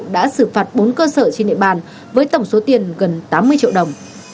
đã xử phạt bốn cơ sở trên địa bàn với tổng số tiền gần tám mươi triệu đồng